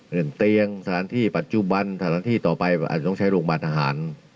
เรื่องเตียงสถานที่ปัจจุบันสถานที่ต่อไปอาจจะต้องใช้โรงพยาบาลทหาร